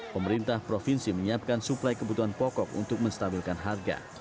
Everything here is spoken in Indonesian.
pemerintah provinsi menyiapkan suplai kebutuhan pokok untuk menstabilkan harga